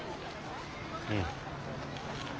うん。